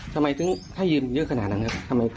ทำไมถึงถ้ายืมเยอะขนาดนั้นครับทำไม